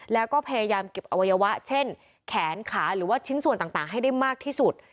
แล้วก็พยายามเก็บอวัยวะเช่นแขนขาหรือว่าชิ้นส่วนต่างให้ได้มากที่สุด